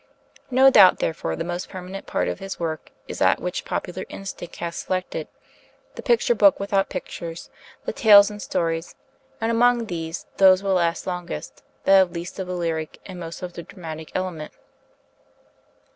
No doubt, therefore, the most permanent part of his work is that which popular instinct has selected, the 'Picture Book without Pictures,' the 'Tales and Stories'; and among these, those will last longest that have least of the lyric and most of the dramatic element.